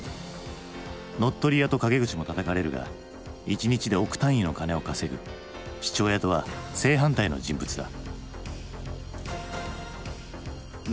乗っ取り屋と陰口もたたかれるが一日で億単位の金を稼ぐ父親とは正反対の人物だ。